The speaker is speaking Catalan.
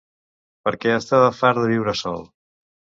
Perquè estava fart de viure sol.